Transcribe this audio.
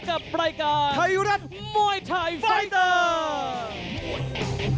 กลับไปกันไทยรัฐมวยไทยไฟเตอร์